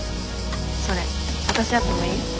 それわたしやってもいい？